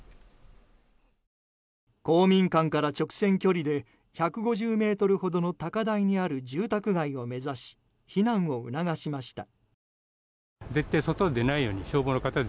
公民館から直線距離で１５０ｍほどの高台にある住宅街を目指し避難を促しました。